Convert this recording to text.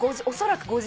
おそらく。